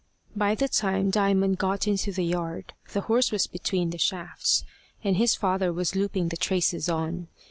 By the time Diamond got into the yard, the horse was between the shafts, and his father was looping the traces on.